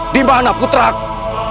dimana putra ku